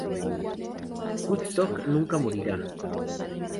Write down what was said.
Woodstock nunca morirá.